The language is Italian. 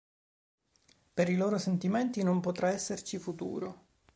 Per i loro sentimenti non potrà esserci futuro.